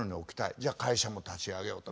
じゃあ会社も立ち上げようと。